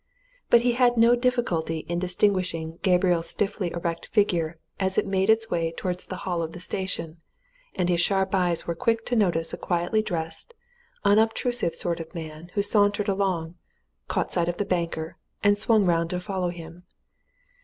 But he had no difficulty in distinguishing Gabriel's stiffly erect figure as it made its way towards the hall of the station, and his sharp eyes were quick to notice a quietly dressed, unobtrusive sort of man who sauntered along, caught sight of the banker, and swung round to follow him.